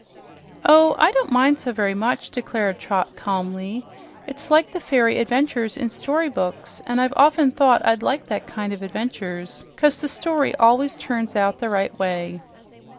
"Oh, I don't mind so very much," declared Trot calmly. "It's like the fairy adventures in storybooks, and I've often thought I'd like that kind of adventures, 'cause the story always turns out the right way."